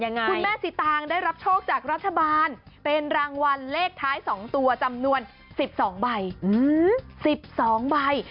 คุณแม่สิตางได้รับโชคจากรัฐบาลเป็นรางวัลเลขท้าย๒ตัวจำนวน๑๒ใบ๑๒ใบ